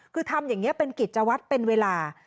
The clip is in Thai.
คือทำอย่างนี้เป็นกิจวัตรเป็นเวลา